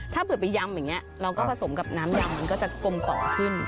ถ้าเผื่อไปยำอย่างนี้เราก็ผสมกับน้ำยำมันก็จะกลมกรอบขึ้น